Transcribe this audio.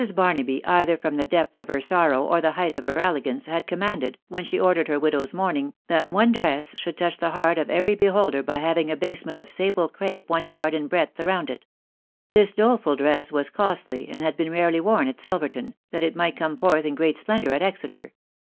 Barnaby, either from the depth !©f her sorrow, or the height of 'her elegance, had commanded, when she orv dered her widow's mourning, that 4>ne dress should touch the heart of every beholder by having a ibasement »f sable crape one yard in breadth around it. Tins doleful. drew was costly, and had been rarely worn at Silverman, that it might come forth in £reat splendour at Exeter.